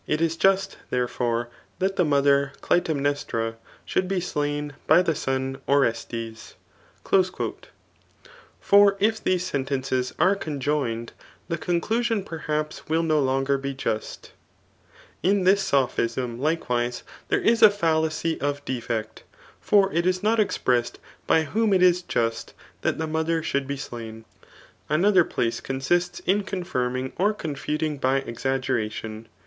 It is jwt^ therefore, that the modier [Clytemnestra] should be slain by the son [Orestes.]" For if these sentences are conjoined, the conclusion perhaps will no longer be justi in this [sophism] likewise, there is a &llacy of defect ; for it is not expressed by whom it is just that the mother should be slain. Another place consists in confirming or confuting by Exaggeration.